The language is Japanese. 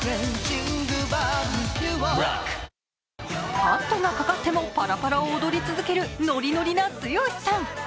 カットがかかってもパラパラを踊り続けるノリノリな剛さん。